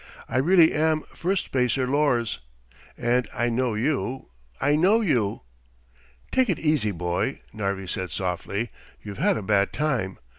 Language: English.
"I really am Firstspacer Lors! And I know you! I know you!" "Take it easy, boy," Narvi said softly. "You've had a bad time.